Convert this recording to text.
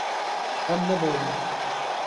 Em neborîn.